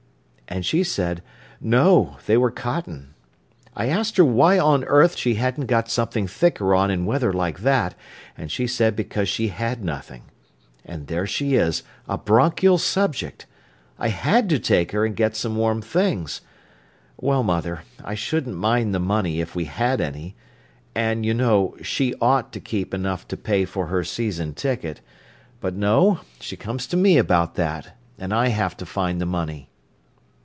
And she said: 'No, they were cotton.' I asked her why on earth she hadn't got something thicker on in weather like that, and she said because she had nothing. And there she is—a bronchial subject! I had to take her and get some warm things. Well, mother, I shouldn't mind the money if we had any. And, you know, she ought to keep enough to pay for her season ticket; but no, she comes to me about that, and I have to find the money."